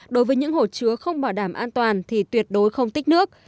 đối với những hồ chứa không bảo đảm an toàn thì tuyệt đối không tích nước